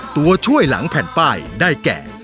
ตัวช่วยหลังแผ่นป้ายได้แก่